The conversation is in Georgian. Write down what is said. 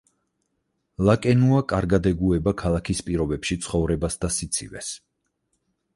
ლაკენუა კარგად ეგუება ქალაქის პირობებში ცხოვრებას და სიცივეს.